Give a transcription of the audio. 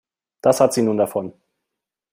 Das hat sie nun davon.